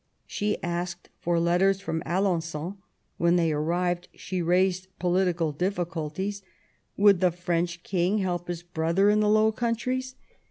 She asked for letters from Alen9on ; when they arrived she raised political difficulties ; would the French King help his brother in the Low Countries?